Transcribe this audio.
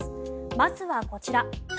まずはこちら。